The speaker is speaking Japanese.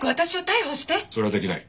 それはできない。